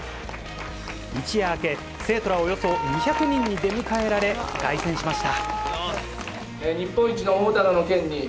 一夜明け生徒らおよそ２００人に出迎えられ凱旋しました。